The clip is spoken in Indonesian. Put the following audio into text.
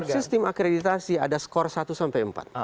sistem akreditasi ada skor satu sampai empat